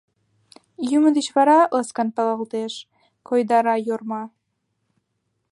— Йӱмӧ деч вара ласкан палалтеш, — койдара Йорма.